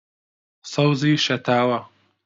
سەوزی شەتاوە